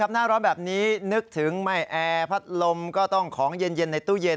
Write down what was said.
หน้าร้อนแบบนี้นึกถึงไม่แอร์พัดลมก็ต้องของเย็นในตู้เย็น